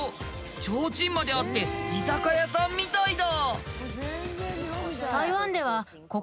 ちょうちんまであって居酒屋さんみたいだ。